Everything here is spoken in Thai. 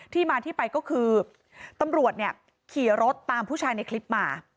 ที่มาที่ไปก็คือตำรวจเนี่ยขี่รถตามผู้ชายในคลิปมา